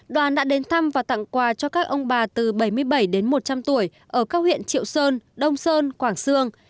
đoàn đã đến thăm và tặng quà cho các ông bà từ bảy mươi bảy đến một trăm linh tuổi ở các huyện triệu sơn đông sơn quảng sương